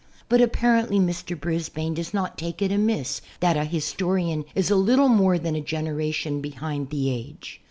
But apparently Mr. Brisbane does not take it amiss that a historian is a little more than a generation behind the age.